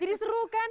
jadi seru kan